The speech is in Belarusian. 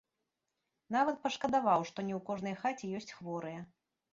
Нават пашкадаваў, што не ў кожнай хаце ёсць хворыя.